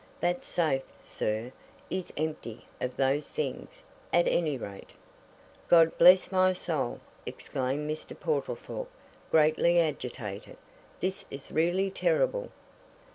That safe, sir, is empty of those things, at any rate." "God bless my soul!" exclaimed Mr. Portlethorpe, greatly agitated. "This is really terrible!"